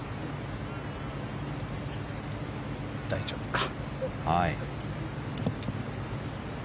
大丈夫か。